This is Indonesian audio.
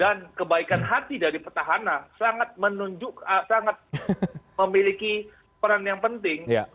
dan kebaikan hati dari pertahanan sangat memiliki peran yang penting